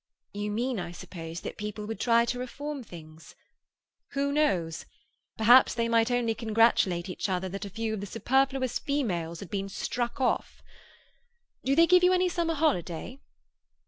"You mean, I suppose, that people would try to reform things." "Who knows? Perhaps they might only congratulate each other that a few of the superfluous females had been struck off. Do they give you any summer holiday?"